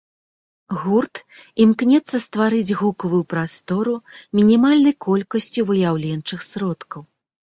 Гурт імкнецца стварыць гукавую прастору мінімальнай колькасцю выяўленчых сродкаў.